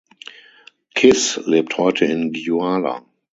Kiss lebt heute in Gyula.